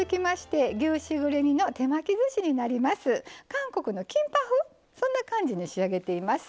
韓国のキンパ風そんな感じに仕上げています。